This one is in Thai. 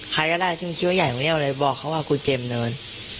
ใครก็ได้ชื่อว่าใหญ่มึงเรียกมันเลยบอกเขาว่ากูเกมเนิน